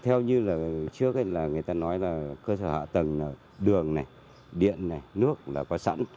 theo như là trước là người ta nói là cơ sở hạ tầng đường này điện này nước là có sẵn